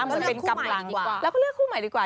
มันจะเป็นกับรังแล้วก็เลือกคู่ใหม่ดีกว่า